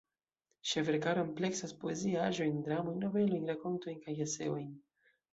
Ŝia verkaro ampleksas poeziaĵojn, dramojn, novelojn, rakontojn kaj eseojn.